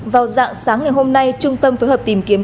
vào dạng sáng ngày hôm nay trung tâm phối hợp tìm kiếm